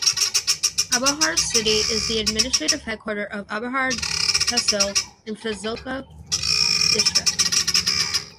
Abohar city is the administrative headquarter of Abohar Tehsil in Fazilka district.